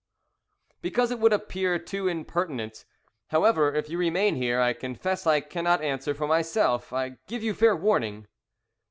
"Because it would appear too impertinent. However, if you remain here I confess I cannot answer for myself. I give you fair warning!"